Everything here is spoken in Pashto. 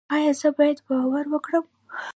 ایا زه باید باور وکړم؟